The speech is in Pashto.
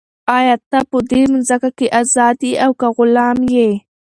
آیا ته په دې مځکه کې ازاد یې او که غلام یې؟